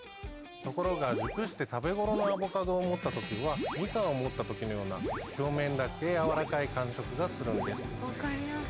ところが熟して食べごろのアボカドを持った時はミカンを持った時のような表面だけ柔らかい感触がするんです。